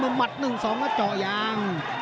เป็นต้นผลัดเล่นมัด๑๒อ้าจอร์อย่าง